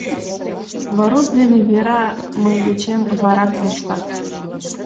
Варуш дене Вера мый дечем утларак моштат.